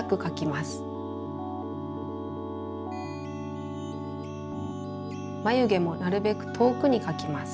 まゆげもなるべくとおくにかきます。